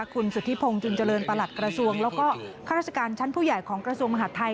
คุณสุธิพงศ์จุงเจริญประหลัดกระทรวงแล้วก็ข้าราชการชั้นผู้ใหญ่ของกระทรวงมหาดไทย